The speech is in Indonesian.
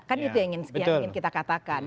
kan itu yang ingin kita katakan